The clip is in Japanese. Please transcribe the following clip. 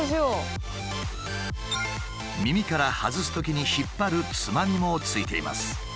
耳から外すときに引っ張るつまみも付いています。